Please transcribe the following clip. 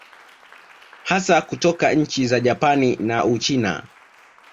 Hasa kutoka nchi za Japani na Uchina